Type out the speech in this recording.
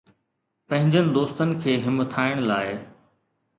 پنهنجن دوستن کي همٿائڻ لاءِ